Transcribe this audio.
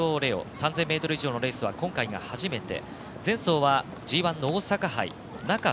３０００ｍ以上のレースは今回が初めて。